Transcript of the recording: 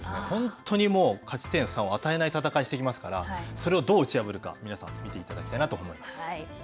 本当にもう、勝ち点３を与えない戦いをしてきますから、それをどう打ち破るか、皆さん、見ていただきたいと思います。